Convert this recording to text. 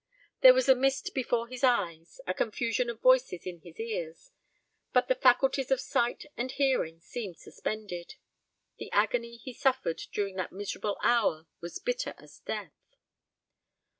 There was a mist before his eyes, a confusion of voices in his ears; but the faculties of sight and hearing seemed suspended. The agony he suffered during that miserable hour was bitter as death.